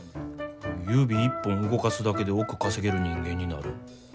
指一本動かすだけで億稼げる人間になる。